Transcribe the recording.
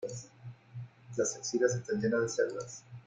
Las axilas están llenas de cerdas.